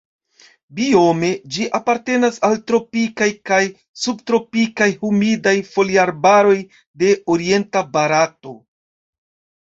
Biome ĝi apartenas al tropikaj kaj subtropikaj humidaj foliarbaroj de orienta Barato.